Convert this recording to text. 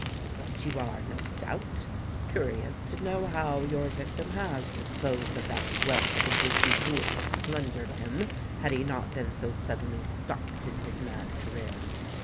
But you are, no doubt, curious to know how your victim has disposed of that wealth of which you would have plundered him had he not been so suddenly stopped in his mad career?